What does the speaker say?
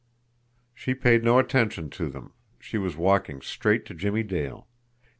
She paid no attention to them she was walking straight to Jimmie Dale.